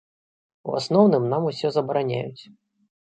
У асноўным нам усё забараняюць.